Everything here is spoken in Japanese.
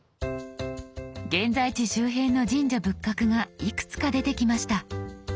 現在地周辺の神社仏閣がいくつか出てきました。